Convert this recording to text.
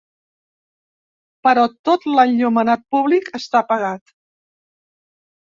Però tot l'enllumenat públic està apagat.